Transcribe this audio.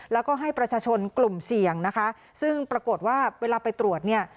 แล้วก็ให้ประชาชนกลุ่มเสี่ยงนะคะซึ่งปรากฏว่าเวลาไปตรวจเนี่ย